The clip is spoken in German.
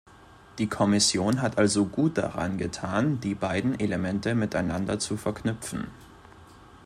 Die Kommission hat also gut daran getan, die beiden Elemente miteinander zu verknüpfen.